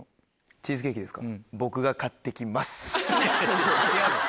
チーズケーキですか？